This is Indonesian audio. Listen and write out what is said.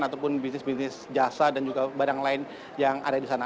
ataupun bisnis bisnis jasa dan juga barang lain yang ada di sana